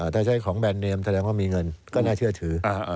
ถ้าใช้ของแบรนดเนมแสดงว่ามีเงินก็น่าเชื่อถือ